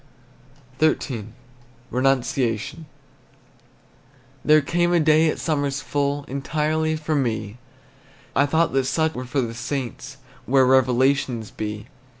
XIII. RENUNCIATION. There came a day at summer's full Entirely for me; I thought that such were for the saints, Where revelations be.